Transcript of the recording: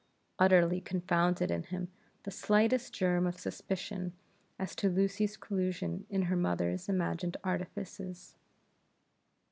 utterly confounded in him the slightest germ of suspicion as to Lucy's collusion in her mother's imagined artifices.